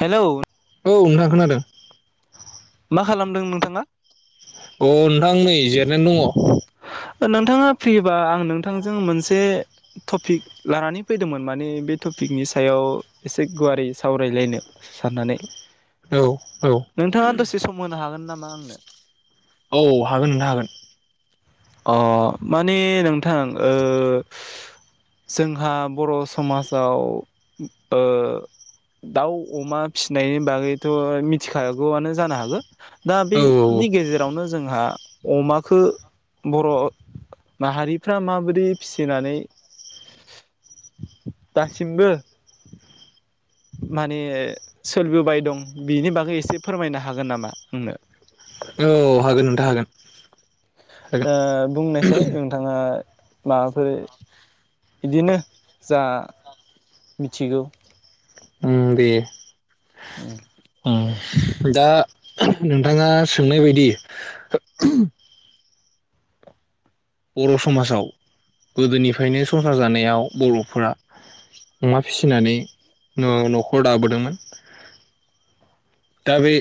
Hello औ नोथां खोनादों मा खालामदों नोंथाङा? अ नोंथां नै जिरनानै दङ बा आं नोंथांजों मोनसे टफिक लानानै फैदोंमोन माने बे टपिकनि सायाव एसे गुवारै सावरायलायनो साननानै औ औ होमो हागोन नामा आंनो औ हागोन नोंथा हागोन। अ माने नोंथां ओ जोंहा बर' समाजाव ओ दाउ अमा फिसिनायनि बागैथ' मिथिखागौआनो जानो हागो। दा बे औ नि गेजेर दाउनो जोंहा अमाखो बर' माहारिफ्रा माबादि फिसिनानै दासिमबो माने सोलिबोबाय दं बिनि बागै एसे फोरमायनो हागोन नामा आंनो? औ हागोन नोंथां हागोन हागोन दा बुंनायसाय नोंथाङा माबाफोर बिदिनो जा मिथिगौ उम दे उम उम दा नोंथाङा सोंनाय बायदि बर' समाजाव गोदोनिफ्रायनो संसार जानायाव बर'फोरा अमा फिसिनानै नो न'खर दाबोदोंमोन दा बे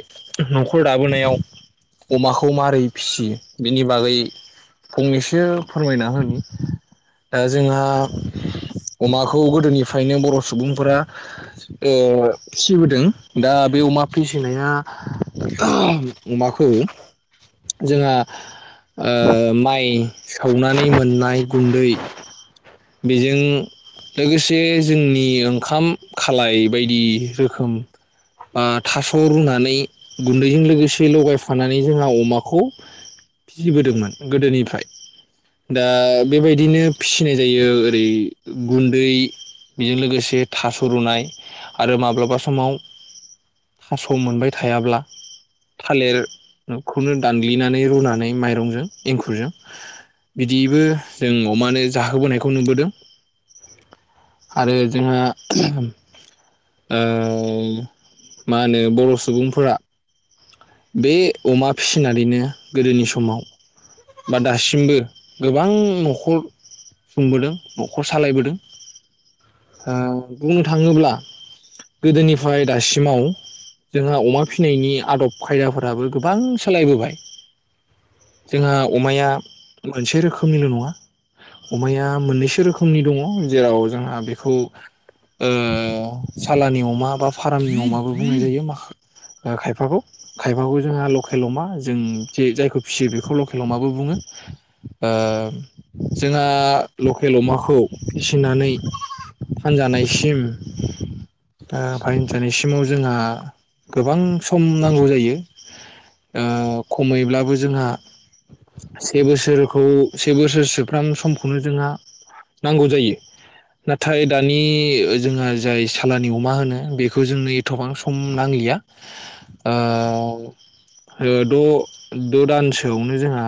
न'खर दाबोनायाव अमाखौ मारै फिसियो बेनि बागै फंनैसो फोरमायना होन जोंहा अमाखौ गोदोनिफ्रायनो बर' सुबुंफोरा ओ फिसिबोदों दा बे अमा फिसिनाया ना अमाखौ जोंहा ओ माइ सौवनानै मोननाय गुन्दै बेजों लोगोसे जोंनि ओंखाम खालाय बायदि रोखोम बा थास रुनानै गुन्दैजों लोगोसे लगायफानानै जोंहा अमाखौ फिसिबोदोंमोन गोदोनिफ्राय दा बेबायदिनो फिसिनाय जायो ओरै गुन्दै बेजों लोगोसे थास रुनाय आरो माब्लाबा समाव थास मोनबाय थायाब्ला थालिरखौनो दानग्लिनानै रुनानै माइरंजों एंखुरजों बिदिबो जों अमानो जाहोबोनायखौ नुबोदों आरो जोंहा ओ मा होनो बर सुबुंफोरा बे अमा फिसिनानैनो गोदोनि समाव बा दासिमबो गोबां न'खर सुंबोदों न'खर सालायबोदों ओ बुंनो थांङोब्ला गोदोनिफ्राय दासिमाव जोंहा अमा फिसिनायनि आदब खायदाफोराबो गोबां सोलायबोबाय जोंहा अमाया मोनसे रोखोमनिल नङा अमाया मोननैसो रोखोमनि दङ जेराव जोंहा बेखौ ओ सालानि अमा बा फार्मनि अमाबो बुंनाय जायो माखा ओ खायफाखौ खायफाखौ जोंहा लकेल अमा जों जे जायखौ फिसियो बेखौ लकेल अमाबो बुङो ओ जोंहा लकेल अमाखौ फिसिनानै फानजानायसिम ओ फानजानायसिमाव जोंहा गोबां सम नांगौ जायो। ओ खमैब्लाबो जोंहा से बोसोरखौ से बोसोरसोफ्राम समखौनो जोंहा नांगौ जायो नाथाय दानि जोंहा जाय सालानि अमा होनो बेखौ जोंनो एथबां सम नांलिया। औव द' द' दानसोयावनो जोंहा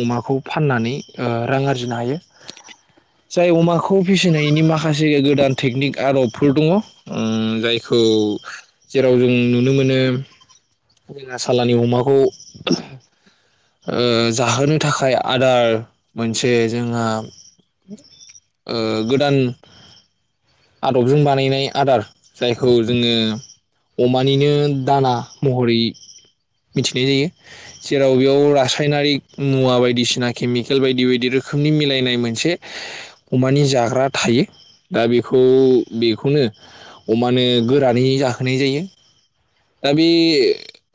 अमाखौ फाननानै ओ रां आरजिनो हायो जाय अमाखौ फिसिनायनि माखासे गोदान टेकनिक आदबफोर दङ उम जायखौ जेराव जों नुनो मोन बिदिनो बेला सालानि अमाखौ ओ जाहोनो थाखाय आदार मोनसे जोंहा ओ गोदान आदबजों बानायनाय आदार जायखौ जोङो अमानिनो दाना महरै मिथिनाय जायो जेराव बेयाव रासायनारिक मुवा बायदिसिना केमिकेल बायदि बायदि रोखोमनि मिलायनाय मोनसे अमानि जाग्रा थायो दा बेखौ बेखौनो अमानो गोरानै जाहोनाय जायो दा बे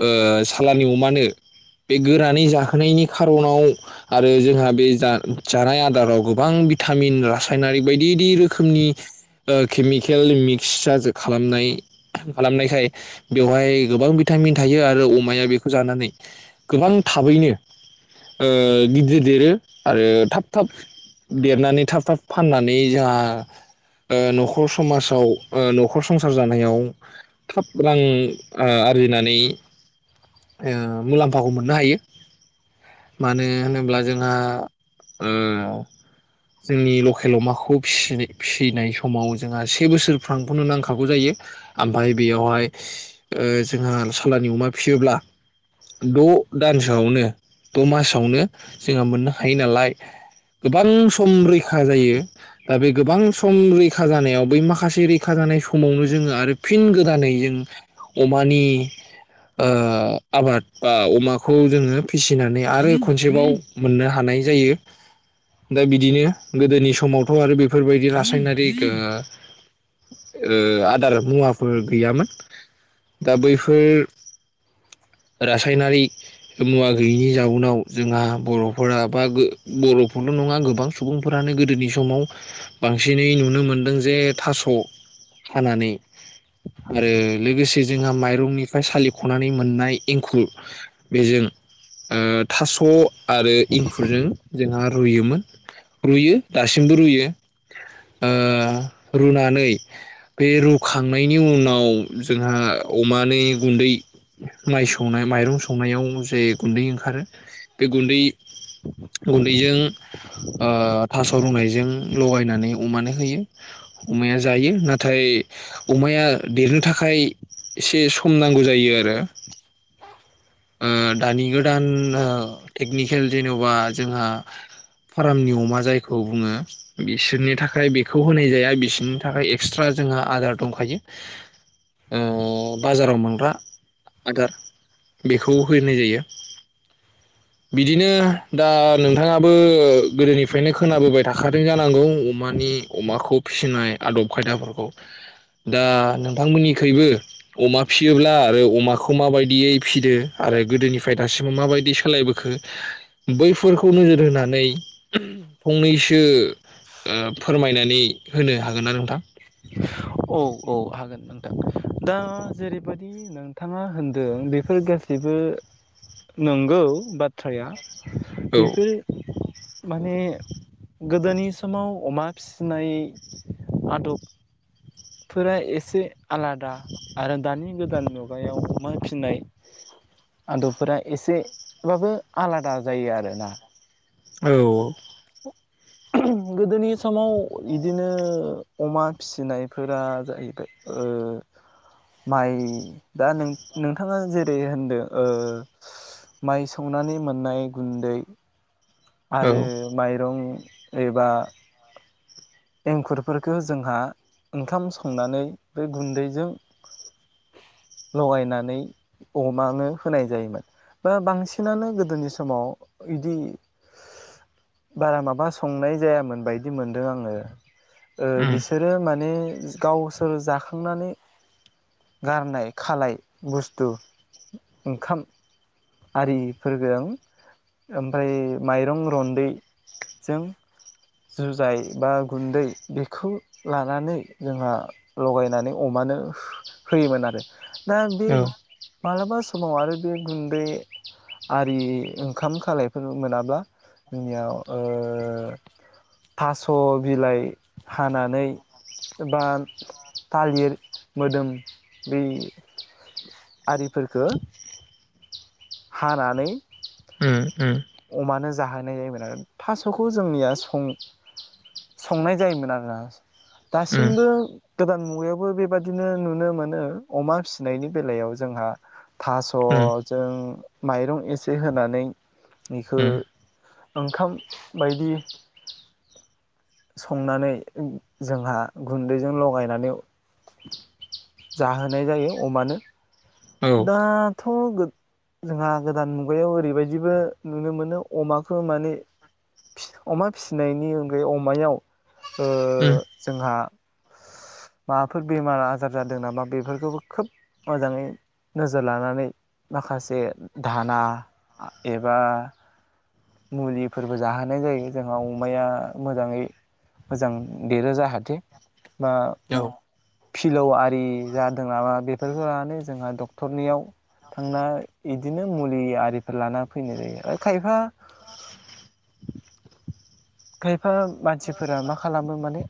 ओ सालानि अमानो बे गोरा नै जाहोनायनि खार'नाव आरो जोंहा बे जा-जानाय आदाराव गोबां बिटामिन रासायनारिक बायदि दि रोखोमनि ओ खेमिकेल मिक्स जाजो खालामनाय खालामनायखाय बेवहाय गोबां बिटामिन थायो आरो अमाया बेखो जानानै गोबां थाबैनो ओ गिदिर देरो आरो थाब थाब देरनानै थाब थाब फाननानै जोंहा ओ न'खर समाजाव ओ न'खर संसार जानायाव थाब रां ओ आरजिनानै ओ मुलाम्फाखौ मोननो हायो। मानो होनोब्ला जोंहा ओ जोंनि लखेल अमाखौ फिसि फिसिनाय समाव जोंहा से बोसोरफ्राखौनो नांखागौ जायो आमफाय बेयावहाय ओ जोंहा सालाननि अमा फियोब्ला द' दानसोयावनो द' मासावनो जोङो मोननो हायो नालाय गोबां सम रैखा जायो ओ बे गोबां सम रैखा जानायाव बै माखासे रैखा जानाय समावनो जोङो आरो फिन गोदानै जों अमानि ओ आबाद बा अमा खौ जोङो फिसिनानै आरो खनसेबाव मोननो हानाय जायो। रासायनारि मुवा गैयैनि जाउनाव जोंहा बर'फोरा बा गो बर'फोरल' नङा गोबां सुबुंफोरानो गोदोनि समाव बांसिनै नुनो मोनदों जे थास' हानानै आरो लोगोसे जोंहा माइरंनिफ्राय सालिख'नानै मोननाय एंखुर बेजों ओ थास' आरो एंखुरजों जोंहा रुयोमोन रुयो दासिमबो रुयो ओ रुनानै बे रुखांनायनि उनाव जोंहा अमानि गुन्दै माइ सौनाय माइरं सौनायाव जे गुन्दै ओंखारो बे गुन्दै गुन्दैजों ओ थास' रुनायजों लगायनानै अमानो होयो अमाया जायो नाथाय अमाया देरनो थाखाय एसे सम नांगो जायो आरो। ओ दानि गोदान टेकनिकेल जेन'बा जोंहा फार्मनि अमा जायखौ बुङो बिसोरनि थाखाय बेखौ होनाय जाया बिसोरनि थाखाय एक्सट्रा जोंहा आदार दंखायो ओ बाजाराव मोनग्रा आदार बेखौ हैनाय जायो बिदिनो दा नोंथाङाबो गोदोनिफ्रायनो खोनाबोबाय थाखादों जानांगौ अमानि अमाखौ फिसिनाय आदब खायदाफोरखौ दा नोंथांमोननिखैबो अमा फिसियोब्ला आरो अमाखौ माबायदियै फिदो आरो गोदोनिफ्राय दासिमाव माबायदि सोलायबोखो बैफोरखौ नोजोर होनानै फंनैसो ओ फोरमायनानै होनो हागोन ना नोंथां? औ औ हागोन नोंथां दा जेरै बायदि नोंथाङा होनदों बेफोर गासैबो नंगौ बाथ्राया औ बेफोर। माने गोदोनि समाव अमा फिसिनाय आदब फोर एसे आलादा आरो दानि गोदान मुगायाव अमा फिसिनाय आदबफोरा एसेबाबो आलादा जायो आरोना। औ गोदोनि समाव बिदिनो अमा फिसिनायफोरा जाहैबाय ओ माइ दा नों नोंथाङा जेरै होनदों माइ सौनानै मोननाय गुन्दै औ आरो माइरं एबा एंखुरफोरखौ जोंहा ओंखाम संनानै बे गुन्दैजों लगायनानै अमानो होनाय जायोमोन बा बांसिनानो गोदोनि समाव इदि बारा माबा संनाय जायामोन बायदि मोनदों आङो। ओ उम बिसोरो माने गावसोर जाखांनानै गारनाय खालाय बस्थु ओंखाम आरिफोरजों ओमफ्राय माइरं रन्दैजों जुजाइ बा गुन्दै बेखौ लानानै जोंहा लगायनानै अमानो होयोमोन आरो। दा बे औ मालाबा समाव आरो बे गुन्दै आरि ओंखाम खालायफोर मोनाब्ला जोंनियाव ओ थास' बिलाइ हानानै बा थालिर मोदोम बै आरिफोरफोरखो हानानै। उम उम अमानोज जाहोनाय जायोमोन आरो थास'खौ जोंनिया सं- संनाय जायोमोन आरोना। दासिमबो उम गोदान मुगायावबो बेबादिनो नुनो मोनो अमा फिसिनायनि बेलायाव जोंहा थास' उम जों माइरं एसे होनानै बेखौ उम ओंखाम बायदि संनानै जोंहा गुन्दैजों लगायनानै जाहोनाय जायो अमानो। औ दाथ। थ गो जोंहा गोदान मुगायाव ओरैबायदिबो नुनो मोनो अमाखौ माने फि अमा फिसिनायनि अनगायै अमायाव ओ उम जोंहा। माबाफोर बेमार आजार जादों नामा बेफोरखौबो खोब मोजाङै नोजोर लानानै माखासे धाना एबा मुलिफोरबो जाहोनाय जायो जोंहा अमाया मोजाङै मोजां देरो जाहाथे। बा औ फिलौ आय दि जादों नामा बेफोरखौ लानानै जोंहा डक्टरनियाव थांनाय इ बिदिनो मुलि आरि लाना फैनाय जायो आरो खायफा। खेब। फा मानसिफोरा मा खालामो माने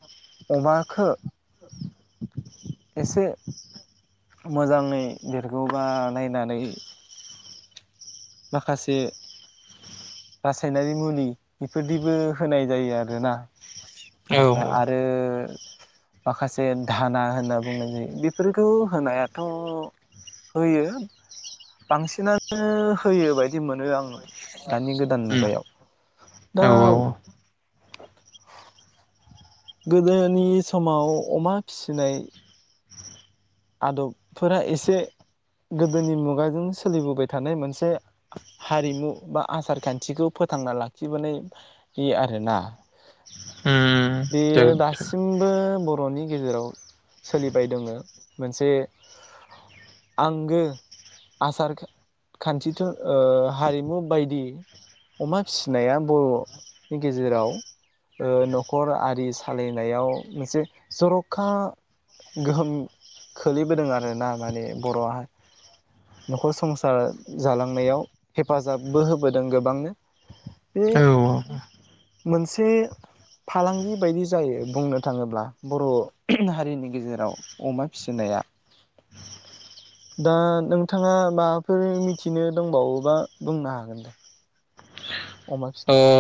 अमाखो एसे मोजाङै देरगौबा नायनानै माखासे रासायनारि मुलि बेफोरदिबो होनाय जायो आरोना औ आइफा आरो माखासे धाना होनना बुंनाय जायो बेफोरखौ होनायाथ' होयो बांसिनानो होयो बायदि मोनो आङो। दानि गोदान उम मुगायाव औ दाउ गोदोनि समाव अमा फिनाय आदबफोरा एसे गोदोनि मुगाजों सोलिबोबाय थानाय मोनसे हारिमु बा आसार खान्थिखौ फोथांना लाखिबोनाय बे आरोना उम बेयो जागोन जागोन दासिमबो बर'नि गेजेराव सोलिबाय दोङो। मोनसे आंगो आसार खान्थिथ' ओ हारिमु बायदि अमा फिसिनाया बर'नि गेजेराव न'खर आरि सालायनायाव मोनसे जर'खा गोहोम खोलैबोदों आरोना माने बर'हा न'खर संसार जालांनायाव हेफाजाबबो होबोदों गोबांनो बे औ मोनसे फालांगि बायदि जायो बुंनो थाङोब्ला बर' हारिनि गेजेराव अमा फिसिनाया दा नों नोंथाङा माबाफोर मिथिनो दंबावोबा बुंनो हागोन दे। अमा अ फिसिनाय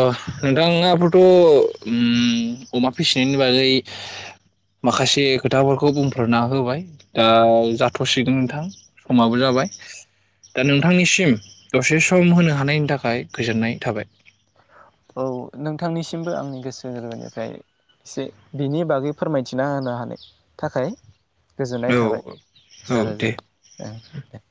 नों राङाबोथ' उम अमा फिस बिनि बागै माखासे खोथाफोरखौ बुंफोरना होबाय दा जाथ'सिगोन नोंथां समाबो जाबाय दा नोंथांनिसिम दसे सम होनो हानायनि थाखाय गोजोननाय थाबाय। औ नोंथांनिसिमबो आंनि गोसो गोरबोनिफ्राय एसे बिनि बागै फोरमायथिना होनो हानाय थाखाय गोजोननाय औ थाबाय औ रोजा रोजा दे ओं दे।